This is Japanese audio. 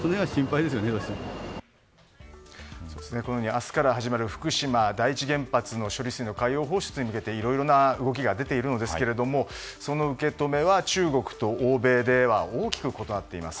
明日から始まる福島第一原発の処理水の海洋放出に向けて、いろいろな動きが出ているんですがその受け止めは中国と欧米では大きく異なっています。